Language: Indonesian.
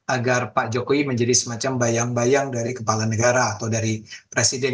agar pak jokowi menjadi semacam bayang bayang dari kepala negara atau dari presiden